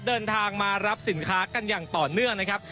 เดินทางมารับสินค้ากันอย่างต่อเนื่องนะครับ